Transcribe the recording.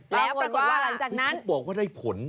แล้วปรากฏว่าหลังจากนั้นเขาบอกว่าได้ผล